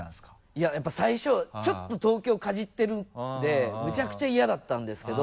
いややっぱり最初ちょっと東京かじってるんでむちゃくちゃ嫌だったんですけど。